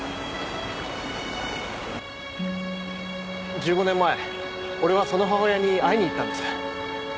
１５年前俺はその母親に会いに行ったんです。